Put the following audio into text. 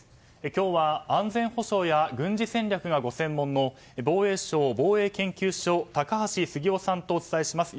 今日は安全保障や軍事戦略がご専門の防衛省防衛研究所高橋杉雄さんとお伝えします。